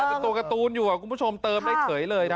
เป็นตัวการ์ตูนอยู่คุณผู้ชมเติมได้เฉยเลยครับ